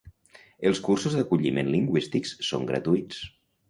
Els cursos d'acolliment lingüístic són gratuïts.